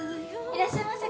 いらっしゃいませ。